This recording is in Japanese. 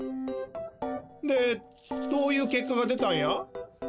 でどういうけっかが出たんや？